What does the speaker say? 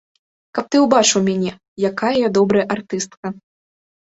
Каб ты ўбачыў мяне, якая я добрая артыстка.